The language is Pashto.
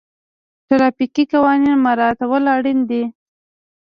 ټرافیکي قوانین مراعتول اړین دي.